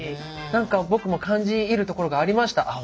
何か僕も感じ入るところがありました。